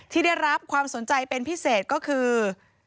ที่ได้รับความสนใจเป็นพิเศษก็คือ